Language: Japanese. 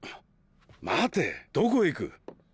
待てどこへ行く？